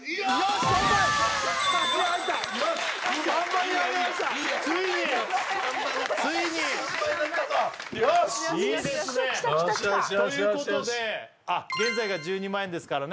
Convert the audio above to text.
しっいいですねということで現在が１２万円ですからね